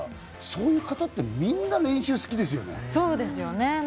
そういう方ってみんな練習好きですよね。